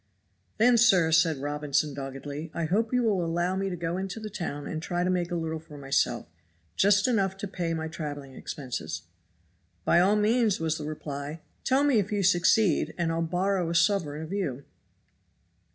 "Then, sir," said Robinson doggedly, "I hope you will allow me to go into the town and try and make a little for myself, just enough to pay my traveling expenses. "By all means," was the reply; "tell me if you succeed and I'll borrow a sovereign of you."